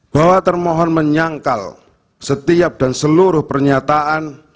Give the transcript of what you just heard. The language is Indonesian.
bahwa termohon menyangkal setiap dan seluruh pernyataan